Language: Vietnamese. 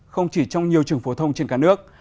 không chỉ trong nhiều trường phổ thông trên cả nước